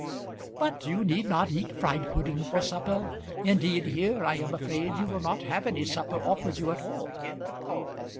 "But you need not eat fried pudding for supper. Indeed, here, I am afraid, you will not have any supper offered you at all."